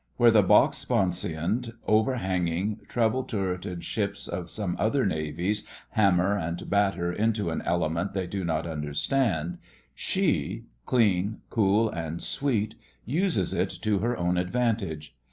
Where the box sponsioned, overhanging, treble turreted ships of some other navies hammer and batter into an element they do not understand, she, clean, cool, and sweet, uses it to her own advantage.